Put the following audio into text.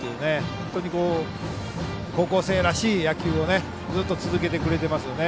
本当に、高校生らしい野球をずっと続けてくれていますね。